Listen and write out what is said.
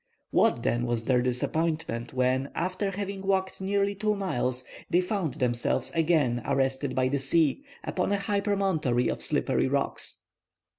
What, then, was their disappointment when, after having walked nearly two miles, they found themselves again arrested by the sea, upon a high promontory of slippery rocks.